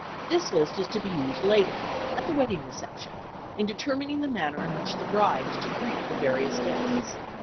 This list is to be used later, at the wedding reception, in determining the manner in which the bride is to greet the various guests.